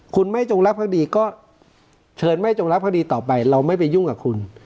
คุณไม่จงรักภักดีก็เชิญไม่จงรักภักดีต่อไปเราไม่ไปยุ่งกับคุณ